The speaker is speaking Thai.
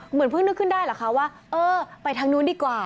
เหมือนเพิ่งนึกขึ้นได้เหรอคะว่าเออไปทางนู้นดีกว่า